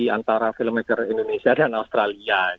antara filmmaker indonesia dan australia